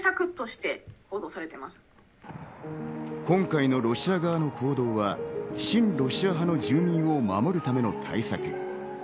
今回のロシア側の行動は親ロシア派の住民を守るための対策。